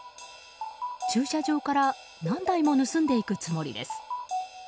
駐車場から何台も盗んでいくつもりです。